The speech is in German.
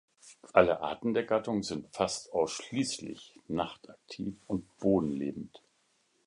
Alle Arten der Gattung sind fast ausschließlich nachtaktiv und bodenlebend.